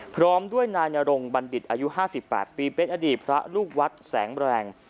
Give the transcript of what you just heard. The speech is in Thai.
พร้อมด้วยนายนรงบัณฑิตอายุ๕๘ปีเป็นอดีตพระลูกวัดแสงแรง